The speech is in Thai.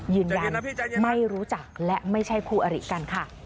ยืนยันไม่รู้จักและไม่ใช่คู่อริกันค่ะ